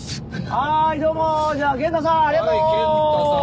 はーいどうもじゃあケンタさん